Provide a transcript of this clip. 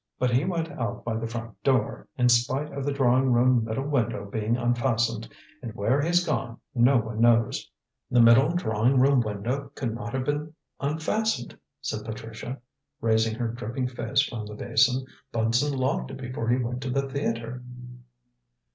But he went out by the front door, in spite of the drawing room middle window being unfastened, and where he's gone no one knows." "The middle drawing room window could not have been unfastened," said Patricia, raising her dripping face from the basin. "Bunson locked it before he went to the theatre."